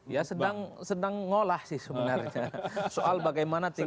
ya sedang ngolah sih sebenarnya